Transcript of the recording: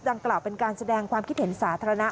กล่าวเป็นการแสดงความคิดเห็นสาธารณะ